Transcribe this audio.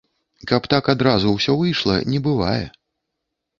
Каб так адразу ўсё выйшла, не бывае.